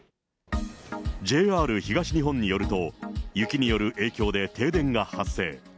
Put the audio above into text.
ＪＲ東日本によると、雪による影響で停電が発生。